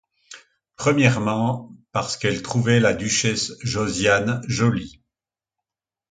Premièrement, parce qu’elle trouvait la duchesse Josiane jolie.